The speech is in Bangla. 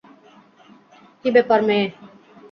কি ব্যাপার, মেয়ে?